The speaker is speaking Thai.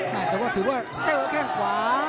แต่ว่าถือว่าเจอแข้งขวา